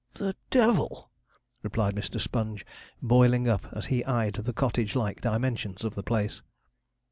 'The devil!' replied Mr. Sponge, boiling up as he eyed the cottage like dimensions of the place.